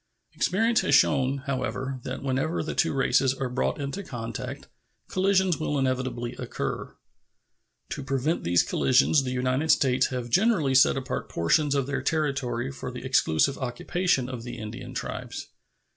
Experience has shown, however, that whenever the two races are brought into contact collisions will inevitably occur. To prevent these collisions the United States have generally set apart portions of their territory for the exclusive occupation of the Indian tribes.